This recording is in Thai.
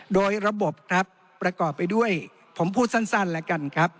โดยระบบครับประกอบไปด้วยผมพูดสั้นแล้วกันครับ